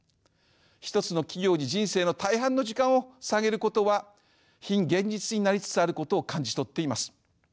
１つの企業に人生の大半の時間をささげることは非現実になりつつあることを感じ取っています。